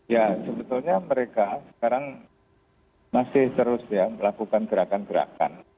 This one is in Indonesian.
ya sebetulnya mereka sekarang masih terus ya melakukan gerakan gerakan